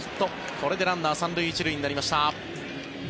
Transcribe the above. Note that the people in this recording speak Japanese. これでランナー３塁１塁になりました。